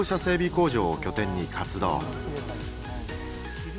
工場を拠点に活動。